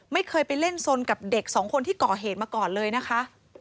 ไม่เคยไปเล่นสนกับเด็กสองคนที่ก่อเหตุมาก่อนเลยนะคะ